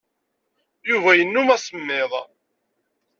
Yuba yennum asemmiḍ.